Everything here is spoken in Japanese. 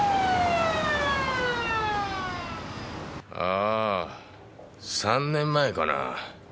ああ３年前かな。